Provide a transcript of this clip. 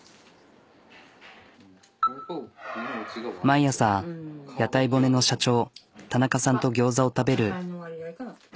毎朝屋台骨の社長田中さんとギョーザを食べる。